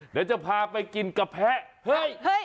เดี๋ยวจะพาไปกินกะแพะเฮ้ย